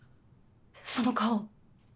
その顔。